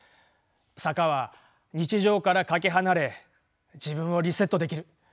坂は日常からかけ離れ自分をリセットできる。